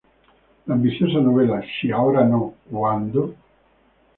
La ambiciosa novela "Si ahora no, ¿cuándo?